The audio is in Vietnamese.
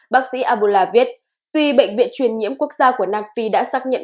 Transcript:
bác sĩ abula viết vì bệnh viện truyền nhiễm quốc gia của nam phi đã xác nhận